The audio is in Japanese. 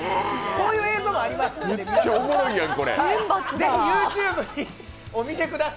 こういう映像もありますので。